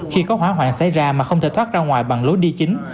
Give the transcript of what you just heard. khi có hỏa hoạn xảy ra mà không thể thoát ra ngoài bằng lối đi chính